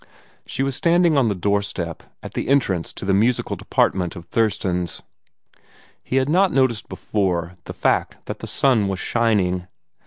She was standing on the doorstep, at the entrance to the musical department of Thurston's. He had not noticed before the fact that the sun was shining.